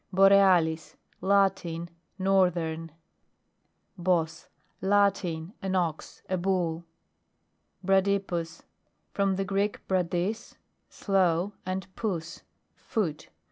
BOREALIS. Latin. Northern. Bos. Latin. An ox, a bull. BRADYPUS. From the Greek, bradus t slow, and pous, foot.